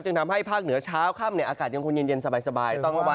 ทำให้ภาคเหนือเช้าค่ำอากาศยังคงเย็นสบาย